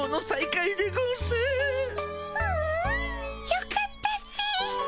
よかったっピィ。